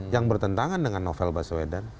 yang bertentangan dengan novel baswedan